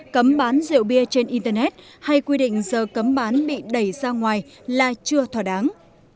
cấm bán rượu bia trên internet hay quy định giờ cấm bán bị đẩy ra ngoài là chưa thỏa đáng